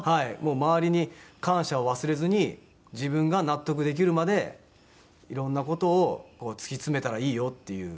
「周りに感謝を忘れずに自分が納得できるまでいろんな事を突き詰めたらいいよ」っていう。